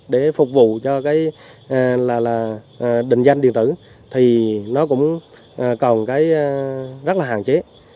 để phục vụ cho định danh điện tử thì nó cũng còn rất là hạn chế